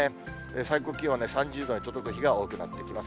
最高気温は３０度に届く日が多くなってきます。